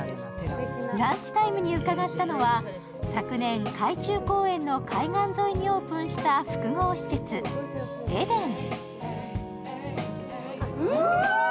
ランチタイムに伺ったのは昨年、海中公園の海岸沿いにオープンした複合施設、ｅｄｅｎ。